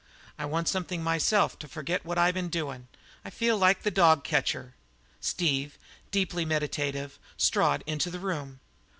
I want something myself to forget what I been doin'. I feel like the dog catcher." Steve, deeply meditative, strode into the room.